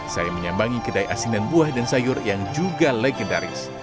saya menyambangi kedai asinan buah dan sayur yang juga legendaris